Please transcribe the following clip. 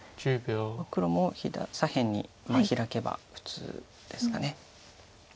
黒も左辺に今ヒラけば普通ですか。